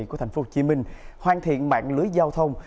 của tp hcm hoàn thiện mạng lưới giao thông